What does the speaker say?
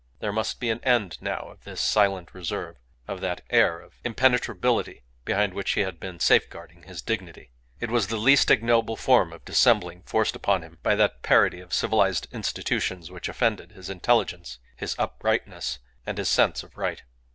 There must be an end now of this silent reserve, of that air of impenetrability behind which he had been safeguarding his dignity. It was the least ignoble form of dissembling forced upon him by that parody of civilized institutions which offended his intelligence, his uprightness, and his sense of right.